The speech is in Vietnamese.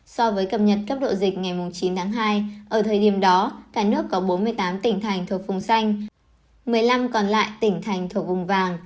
so với cập nhật cấp độ dịch ngày chín tháng hai ở thời điểm đó cả nước có bốn mươi tám tỉnh thành thuộc vùng xanh một mươi năm còn lại tỉnh thành thuộc vùng vàng